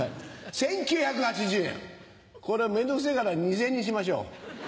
１９８０円これめんどくせぇから２０００円にしましょう。